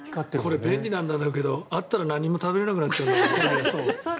これ便利なんだろうけどあったら何も食べられなくなっちゃうな。